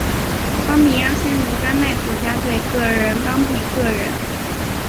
邦比阿仙奴丹麦国家队个人邦比个人